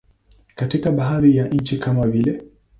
Katika baadhi ya nchi kama vile.